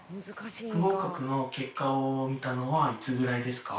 不合格の結果を見たのはいつぐらいですか？